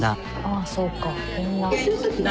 あっそうかみんな。